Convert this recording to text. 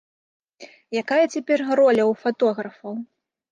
Якая цяпер роля ў фатографаў?